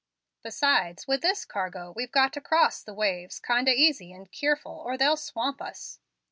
Besides, with this cargo, we've got to cross the waves kind o' easy and keerful, or they'll swamp us."